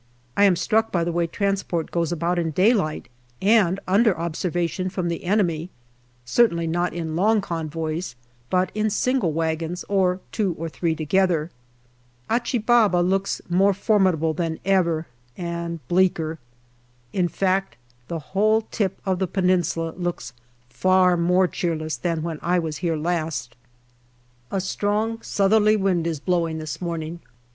I am struck by the way transport goes about in daylight and under observation from the enemy, certainly not in long convoys, but in single wagons or two or three together. Achi Baba looks more formidable than ever, and bleaker. In fact, the whole tip of the Peninsula looks far more cheerless than when I was here last. A strong southerly wind is blowing this morning.